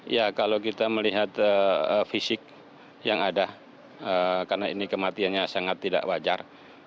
ya kalau kita melihat fisik yang ada karena ini kematiannya sangat tidak wajar